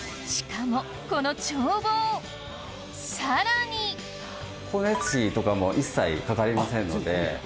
しかもこの眺望さらに光熱費とかも一切かかりませんので。